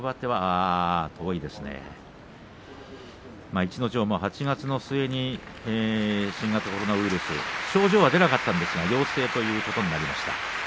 逸ノ城も８月末に新型コロナウイルス症状は出なかったんですが陽性ということになりました。